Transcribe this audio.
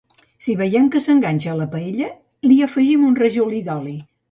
Si veiem que s'enganxa a la paella, li afegim un rajolí d'oli.